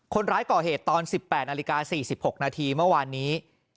คนร้ายก่อเหตุตอน๑๘นาฬิกา๔๖นาทีเมื่อวานนี้